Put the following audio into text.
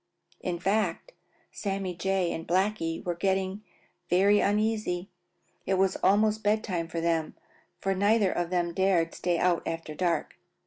In fact, Sammy Jay and Blacky were getting very uneasy. It was almost bed time for them, for neither of them dared stay out after dark.